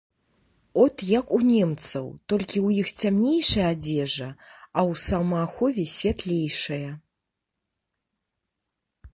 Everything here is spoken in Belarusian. От як у немцаў, толькі ў іх цямнейшая адзежа, а ў самаахове святлейшая.